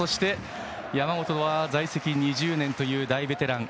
山本は在籍２０年という大ベテラン。